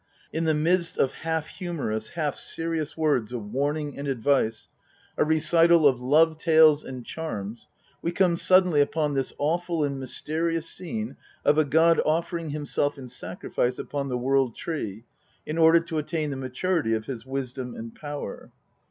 In the midst of halt humorous, half serious words of warning and advice, a recital of love tales and charms, we come suddenly upon this awful and mysterious scene of a god offering himself in sacrifice upon the World Tree in order to attain the maturity of his wisdom and power.